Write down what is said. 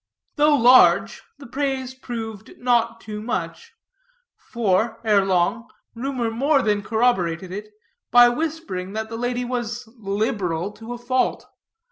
Though large, the praise proved not too much. For, ere long, rumor more than corroborated it, by whispering that the lady was liberal to a fault.